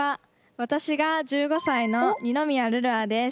私が１５歳の二宮琉々愛です。